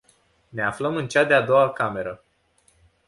Ne aflăm în cea de-a doua cameră.